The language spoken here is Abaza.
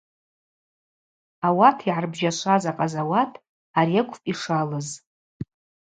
Ауат йгӏарбжьашваз акъазауат ари акӏвпӏ йшалыз.